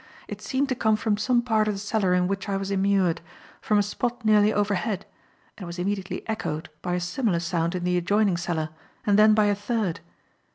It seemed to come from some part of the cellar in which I was immured; from a spot nearly overhead; and it was immediately echoed by a similar sound in the adjoining cellar and then by a third.